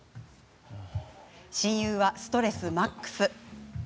親友はストレスマックス。